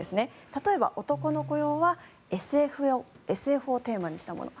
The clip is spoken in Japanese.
例えば男の子用はＳＦをテーマにしたもの。